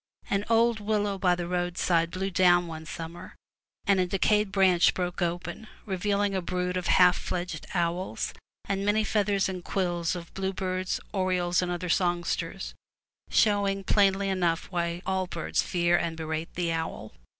An old willow by the roadside blew down one summer, and a decayed branch broke open, revealing a brood of half fledged owls, and many feathers and quills of bluebirds, orioles, and other songsters, showing plainly enough why all birds fear and berate the owl.